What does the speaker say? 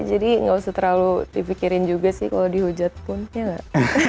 jadi gak usah terlalu dipikirin juga sih kalau dihujat pun ya gak